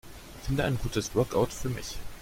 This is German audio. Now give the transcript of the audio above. Finde ein gutes Workout für mich.